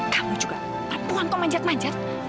kamu juga pak puan kok manjat manjat